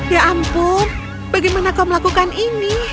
ya ampun bagaimana kau melakukan ini